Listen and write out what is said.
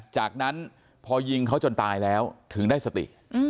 จากนั้นพอยิงเขาจนตายแล้วถึงได้สติ